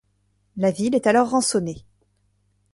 La ville est alors rançonnée.